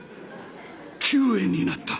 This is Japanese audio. ９円になった！